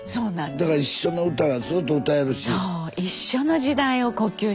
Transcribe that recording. だから一緒の歌がずっと歌えるし。